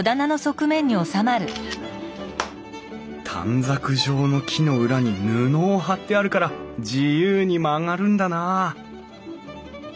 あ短冊状の木の裏に布を貼ってあるから自由に曲がるんだなあ